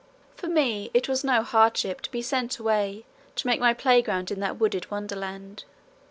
For me it was no hardship to be sent away to make my playground in that wooded wonderland.